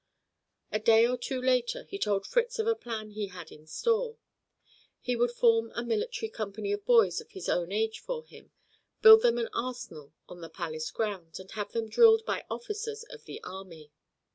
A day or two later he told Fritz of a plan he had in store. He would form a military company of boys of his own age for him, build them an arsenal on the palace grounds, and have them drilled by officers of the army.